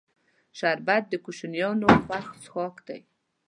شربت د کوشنیانو خوښ څښاک دی